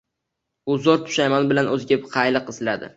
U zo‘r pushaymon bilan o‘ziga qayliq izladi.